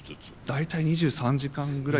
大体２３時間ぐらい。